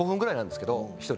１人。